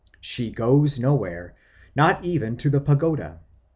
She goes nowhere, not even to the pagoda.